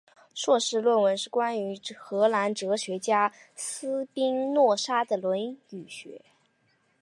硕士论文是关于荷兰哲学家斯宾诺莎的伦理学。